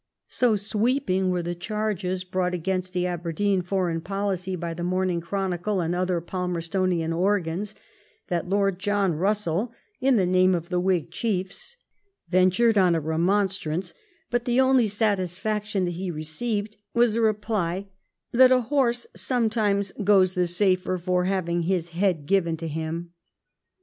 So sweeping were the charges brought against the Aberdeen foreign policy by the Morning Chronicle and other Palmer stonian organs, that Lord John Bussell, in the name of the Whig chiefs, ventured on a remonstrance, but the only satisfaction that he received was a reply that a horse sometimes goes the safer for having his head given to him."